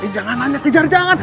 jangan aja kejar jangan